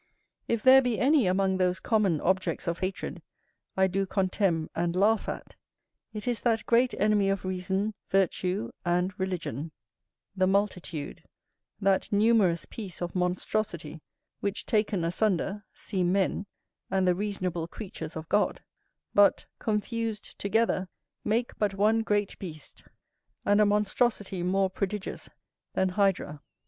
If there be any among those common objects of hatred I do contemn and laugh at, it is that great enemy of reason, virtue, and religion, the multitude; that numerous piece of monstrosity, which, taken asunder, seem men, and the reasonable creatures of God, but, confused together, make but one great beast, and a monstrosity more prodigious than Hydra.